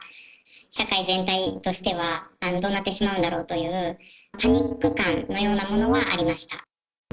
社会全体としては、どうなってしまうんだろうという、パニック感のようなものはありました。